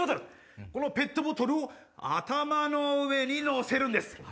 このペットボトルを頭の上に乗せるんです。